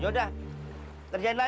yaudah terjadi lagi